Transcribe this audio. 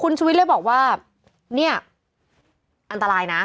คุณชุวิตเลยบอกว่าเนี่ยอันตรายนะ